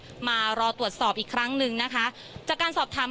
พูดสิทธิ์ข่าวธรรมดาทีวีรายงานสดจากโรงพยาบาลพระนครศรีอยุธยาครับ